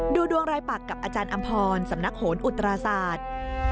ดวงรายปักกับอาจารย์อำพรสำนักโหนอุตราศาสตร์